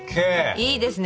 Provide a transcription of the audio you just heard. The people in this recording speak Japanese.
いいですね。